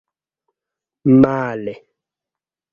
male